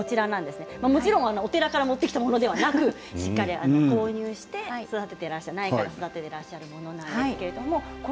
もちろん、お寺から持ってきたものではなくしっかりと購入して育てていらっしゃるものなんです